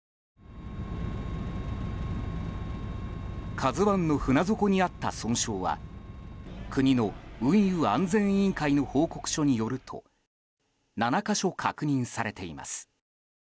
「ＫＡＺＵ１」の船底にあった損傷は国の運輸安全委員会の報告書によると７か所確認されています。